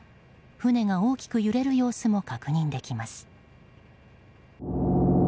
船が大きく揺れる様子も確認できます。